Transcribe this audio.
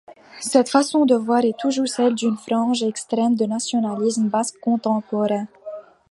Cette façon de voir est toujours celle d'une frange extrême du nationalisme basque contemporain.